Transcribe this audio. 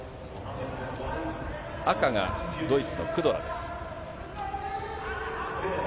赤がドイツのクドラです。